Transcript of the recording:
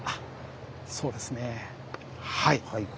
そうですねはい。